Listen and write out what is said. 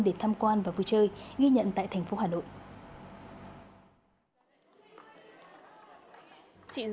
để tham quan và vui chơi ghi nhận tại thành phố hà nội